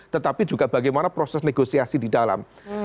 tetapi juga bagaimana proses negosiasi di dalam